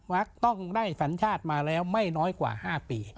ต้องได้สัญชาติมาแล้วไม่น้อยกว่า๕ปี